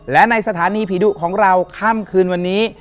และในสถานีผีดุของเราค่ำคืนวันนี้